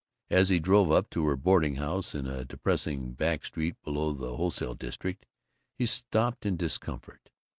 As he drove up to her boarding house, in a depressing back street below the wholesale district, he stopped in discomfort.